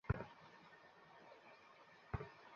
এভাবে তো কোন মতেই না।